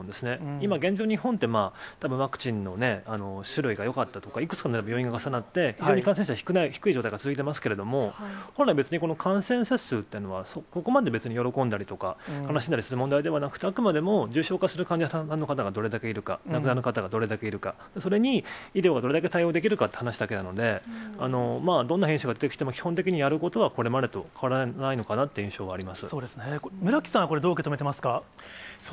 今、現状、日本ってたぶんワクチンのね、種類がよかったとか、いくつかの要因が重なって、感染者数は低い状況が続いていますけれども、本来、別に感染者数というのはそこまで別に喜んだりとか悲しんだりする問題ではなくて、あくまでも重症化する患者さんの方がどれだけいるか、亡くなる方がどれだけいるか、それに医療がどれだけ対応できるかという話だけなので、どんな変異種が出てきても、基本的にやることはこれまでと変わらないのかなという印象はありそうですね、村木さん、これ、どう受け止めてますか。